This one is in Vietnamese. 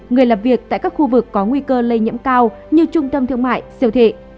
người làm việc tại các khu vực có nguy cơ lây nhiễm cao như trung tâm thương mại siêu thị